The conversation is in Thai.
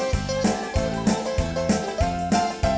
แล้วใส่พี่ใส่ไม่มาเอาใจ